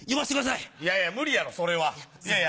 いやいや無理やろそれはいやいや